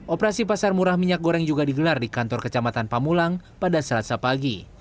operasi pasar murah minyak goreng juga digelar di kantor kecamatan pamulang pada selasa pagi